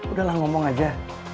udah lah ngomong aja